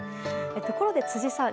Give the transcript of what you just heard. ところで、辻さん